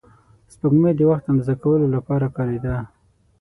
سپوږمۍ د وخت اندازه کولو لپاره کارېده